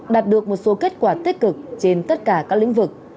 đạt được một số kết quả tích cực trên tất cả các lĩnh vực